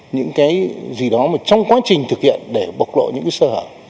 những cái gì đó mà trong quá trình thực hiện để bộc lộ những cái sơ hở